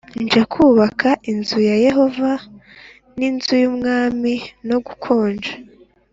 je kubaka inzu ya Yehova n inzu y umwami no gukoj